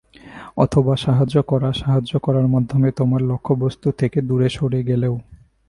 অথবা সাহায্য করা, সাহায্য করার মাধ্যমে তোমার লক্ষ্যবস্তু থেকে দূরে সরে গেলেও।